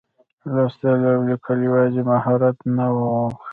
لوستل او لیکل یوازې مهارت نه و.